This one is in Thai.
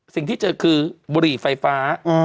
สิ่งที่เจอคือบุหรี่ไฟฟ้า